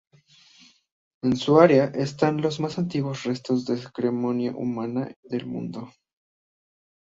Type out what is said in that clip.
En su área están, los más antiguos restos de cremación humana del mundo.